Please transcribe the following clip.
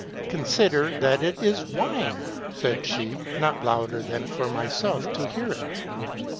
' Consider that it is wine !' said she, not louder than for myself to hear it.